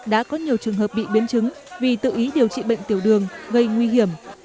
đã có nhiều trường hợp bị biến chứng vì tự ý điều trị bệnh tiểu đường gây nguy hiểm